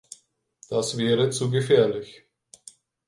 Das wäre zu gefährlich.